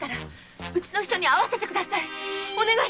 お願いします！